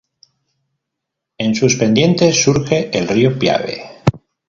En sus pendientes surge el río Piave.